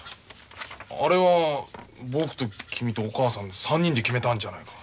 あれは僕と君とおかあさん３人で決めたんじゃないか。